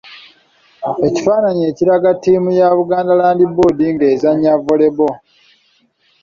Ekifaananyi ekiraga ttiimu ya Buganda Land Board nga ezannya Volleyball.